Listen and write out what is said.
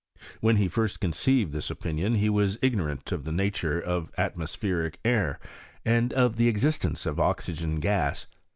When he first conceived this opinion he was ignorant of the nature of atmo spheric air, and of the existence of oxygen gas.